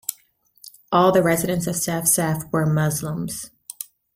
All the residents of Safsaf were Muslims.